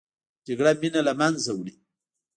جګړه مینه له منځه وړي